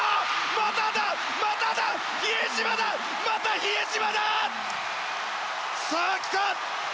まただ、まただ、また比江島だ！さあ来た！